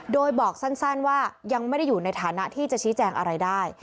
โดยบอกสั้นว่ายังไม่ได้อยู่ในฐานะที่จะชี้แจงอะไรได้